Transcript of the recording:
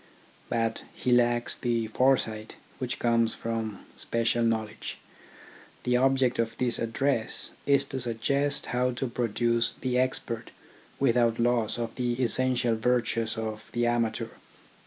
But he lacks the foresight which comes from special knowledge. The ob ject of this address is to suggest how to produce the expert without loss of the essential virtues of the amateur.